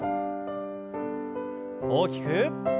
大きく。